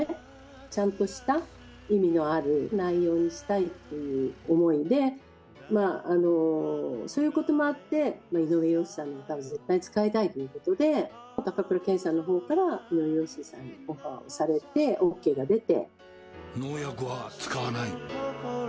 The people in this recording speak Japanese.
ちゃんとした意味のある内容にしたいという思いで、そういうこともあって、井上陽水さんの歌を絶対使いたいということで、高倉健さんのほうから、井上陽水さんのほうにオファーをされて、ＯＫが出て。